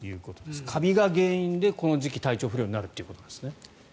カビが原因でこの時期、体調不良になるということですね。